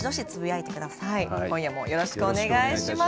今夜もよろしくお願いします。